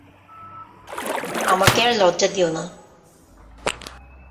আমাকে আর লজ্জা দিয়ো না।